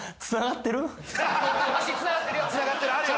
つながってるよ